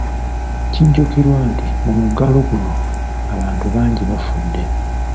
Kijjukirwa nti mu muggalo guno, abantu bangi bafudde.